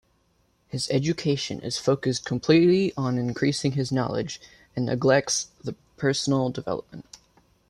His education is focused completely on increasing his knowledge, and neglects personal development.